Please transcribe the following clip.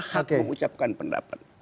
untuk memelihara hak mengucapkan pendapat